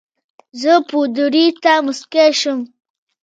زه پادري ته مسکی شوم.